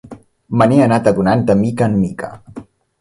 Me n'he anat adonant de mica en mica.